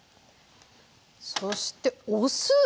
そしてお酢⁉はい。